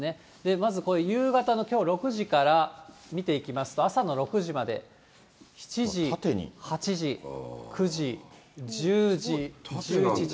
まずこれ、夕方のきょう６時から見ていきますと、朝の６時まで、７時、８時、９時、１０時、１１時。